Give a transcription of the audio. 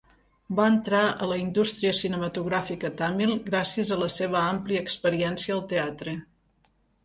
Va entrar a la indústria cinematogràfica tamil gràcies a la seva àmplia experiència al teatre.